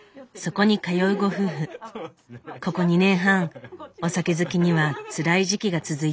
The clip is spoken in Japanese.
ここ２年半お酒好きにはつらい時期が続いているそう。